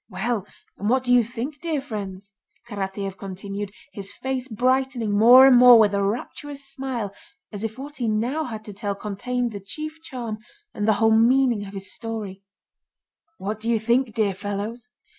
Well, and what do you think, dear friends?" Karatáev continued, his face brightening more and more with a rapturous smile as if what he now had to tell contained the chief charm and the whole meaning of his story: "What do you think, dear fellows?